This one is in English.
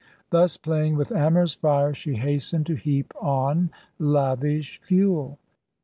Thus, playing with amorous fire, she hastened to heap on lavish fuel.